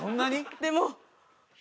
でも。